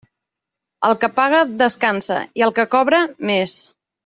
El que paga, descansa, i el que cobra, més.